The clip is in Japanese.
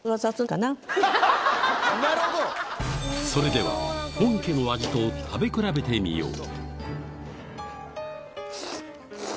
それでは本家の味と食べ比べてみよう